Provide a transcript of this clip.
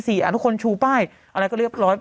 ทุกคนชูป้ายอะไรก็เรียบร้อย